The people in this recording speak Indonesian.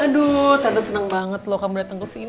aduh tante senang banget loh kamu datang ke sini